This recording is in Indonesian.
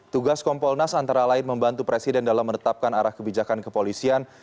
tugas kompolnas antara lain membantu presiden dalam menetapkan arah kebijakan kepolisian